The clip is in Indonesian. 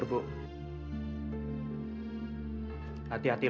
lho bu dia bisa sakit kecapean